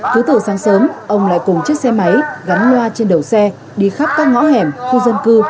cứ từ sáng sớm ông lại cùng chiếc xe máy gắn loa trên đầu xe đi khắp các ngõ hẻm khu dân cư